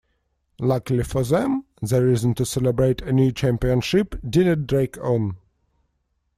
Luckily for them, the reason to celebrate a new championship didn't drag on.